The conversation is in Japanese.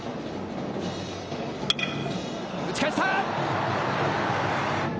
打ち返した！